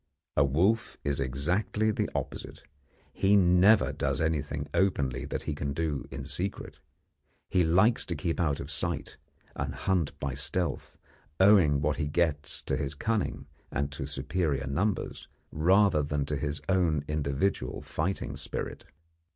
A wolf is exactly the opposite. He never does anything openly that he can do in secret. He likes to keep out of sight, and hunt by stealth, owing what he gets to his cunning and to superior numbers, rather than to his own individual fighting spirit.